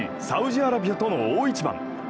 サウジアラビアとの大一番。